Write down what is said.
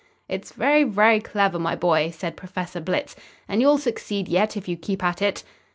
"It's very, very clever, my boy," said Professor Blitz, "and you'll succeed yet, if you keep at it."